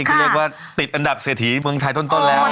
กูเรียกว่าติดอันดับเศสถีเป็นเมืองชายต้นแล้ว